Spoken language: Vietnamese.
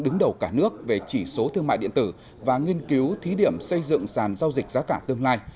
đứng đầu cả nước về chỉ số thương mại điện tử và nghiên cứu thí điểm xây dựng sàn giao dịch giá cả tương lai